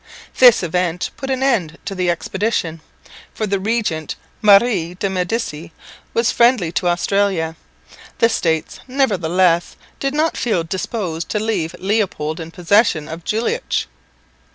This event put an end to the expedition, for the regent, Marie de' Medici, was friendly to Austria. The States nevertheless did not feel disposed to leave Leopold in possession of Jülich.